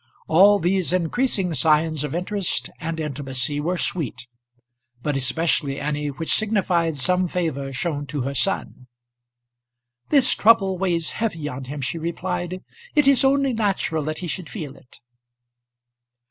All these increasing signs of interest and intimacy were sweet, but especially any which signified some favour shown to her son. "This trouble weighs heavy on him," she replied. "It is only natural that he should feel it."